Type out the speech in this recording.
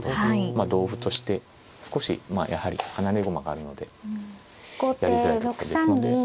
まあ同歩として少しやはり離れ駒があるのでやりづらい一手ですので。